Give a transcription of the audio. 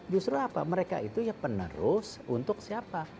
justru apa mereka itu ya penerus untuk siapa